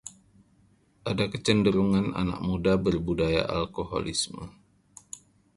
ada kecenderungan anak muda berbudaya alkoholisme